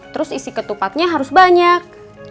terus isi ketupatnya harus banyak